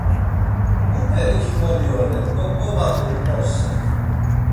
Muperi kimoli ore, ǩoǩoba do unose.